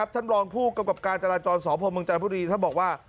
ท่านรองผู้กำกับการจราจรสพเมืองจันทบุรีท่านบอกว่า